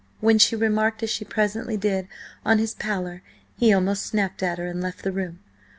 When she remarked, as she presently did, on his pallor, he almost snapped at her, and left the room.